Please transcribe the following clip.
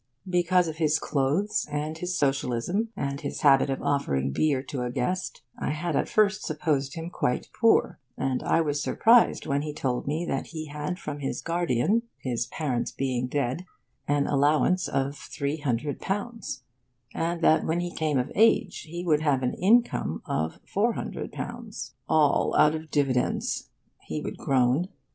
Because of his clothes and his socialism, and his habit of offering beer to a guest, I had at first supposed him quite poor; and I was surprised when he told me that he had from his guardian (his parents being dead) an allowance of £350, and that when he came of age he would have an income of £400. 'All out of dividends,' he would groan.